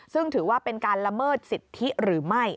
ซึ่งถือว่าเป็นการละเมิดสิทธิหรือไม่